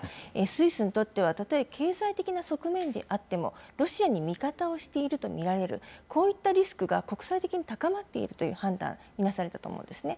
スイスにとってはたとえ経済的な側面であっても、ロシアに味方をしていると見られる、こういったリスクが国際的に高まっているという判断、なされたと思うんですね。